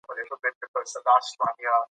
که میندې مبلغې وي نو خلک به بې لارې نه وي.